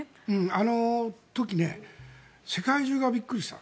あの時、世界中がびっくりした。